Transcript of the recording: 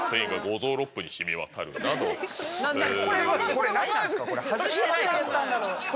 これ何なんすか？